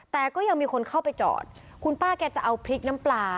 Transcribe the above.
แต่ก็ยังมีคนเข้าไปจอดคุณป้าแกจะเอาพริกน้ำปลา